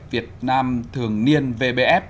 việt nam thường niên vbf